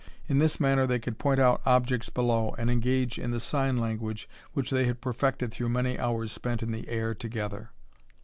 In this manner they could point out objects below and engage in the sign language which they had perfected through many hours spent in the air together.